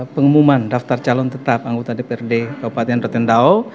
pengumuman daftar calon tetap anggota dprd kabupaten rutindau